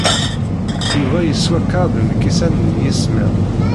Yuba yeswa kraḍ lkisan n yismed.